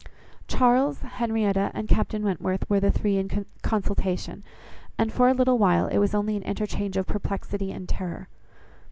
Charles, Henrietta, and Captain Wentworth were the three in consultation, and for a little while it was only an interchange of perplexity and terror.